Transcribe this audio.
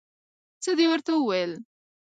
څه دې ورته وویل؟